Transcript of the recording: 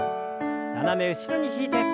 斜め後ろに引いて。